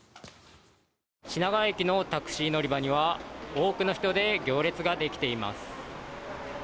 品川駅のタクシー乗り場には多くの人で行列ができています。